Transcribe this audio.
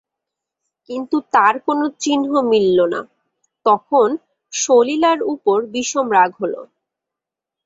কিন্তু তার কোনো চিহ্ন মিলল না, তখন সলিলার উপরে বিষম রাগ হল।